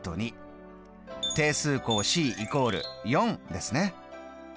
定数項ｃ＝４ですね。